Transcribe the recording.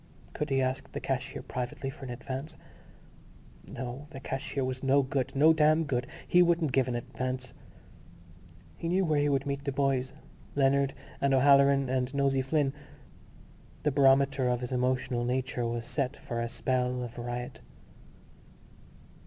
Could he ask the cashier privately for an advance? No, the cashier was no good, no damn good: he wouldn't give an advance.... He knew where he would meet the boys: Leonard and O'Halloran and Nosey Flynn. The barometer of his emotional nature was set for a spell of riot.